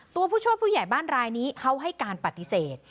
ผู้ช่วยผู้ใหญ่บ้านรายนี้เขาให้การปฏิเสธ